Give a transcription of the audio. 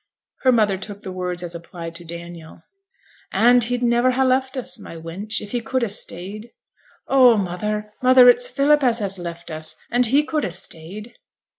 Her mother took the words as applied to Daniel. 'And he'd niver ha' left us, my wench, if he could ha' stayed.' 'Oh, mother, mother, it's Philip as has left us, and he could ha' stayed.'